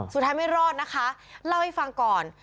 สุดท้ายไม่รอดนะคะเล่าให้ฟังก่อน